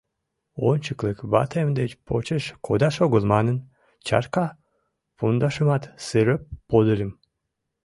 Ончыклык ватем деч почеш кодаш огыл манын, чарка пундашымат сырӧп подыльым.